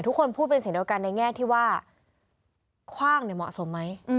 ทุกคนพูดเป็นเสียงเดียวกันในแง่ที่ว่าคว่างเหมาะสมไหม